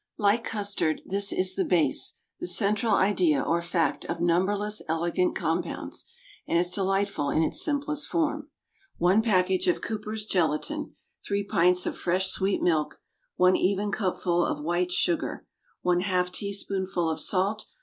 Like custard, this is the base—the central idea, or fact—of numberless elegant compounds, and is delightful in its simplest form. One package of Cooper's gelatine. Three pints of fresh, sweet milk. One even cupful of white sugar. One half teaspoonful of salt.